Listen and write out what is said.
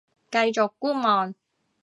繼續觀望